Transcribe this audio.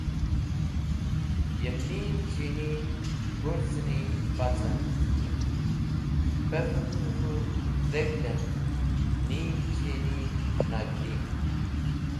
Yem nim chini pũrzũni pacen puvem dẽ k̃hu dheg̃hd en, nim chini nag̃hdin.